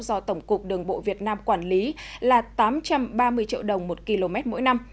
do tổng cục đường bộ việt nam quản lý là tám trăm ba mươi triệu đồng một km mỗi năm